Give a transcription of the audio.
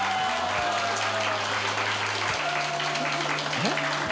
えっ？